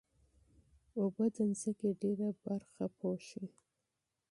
اوبه د ځمکې ډېره برخه پوښي.